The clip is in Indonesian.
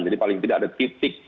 jadi paling tidak ada titik